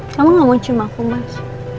kamu gak mau cuma aku mas